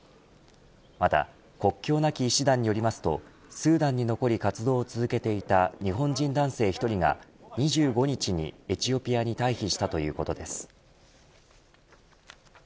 また国境なき医師団によりますとスーダンに残り活動を続けていた日本人男性１人が２５日にエチオピアに退避したということです。